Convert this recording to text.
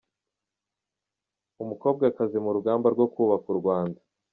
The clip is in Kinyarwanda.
Umukobwakazi mu rugamba rwo kubaka u Rwanda